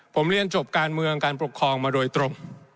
ผมเรียนจบการเมืองการปกครองมาโดยตรง